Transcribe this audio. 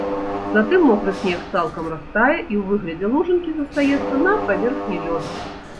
Затым мокры снег цалкам растае і ў выглядзе лужынкі застаецца на паверхні лёду.